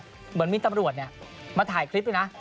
เหมือนมีตำรวจมาถ่ายคลิปด้วยนะ